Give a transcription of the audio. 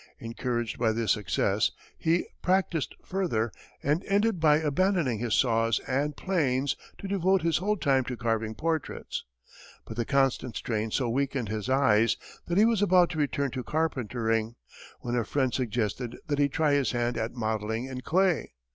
Encouraged by this success, he practised further, and ended by abandoning his saws and planes to devote his whole time to carving portraits. But the constant strain so weakened his eyes, that he was about to return to carpentering, when a friend suggested that he try his hand at modelling in clay.